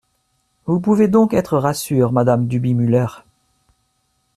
Vous pouvez donc être rassure, madame Duby-Muller.